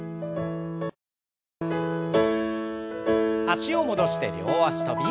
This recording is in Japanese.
脚を戻して両脚跳び。